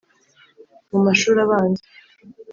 mu mashuri abanza,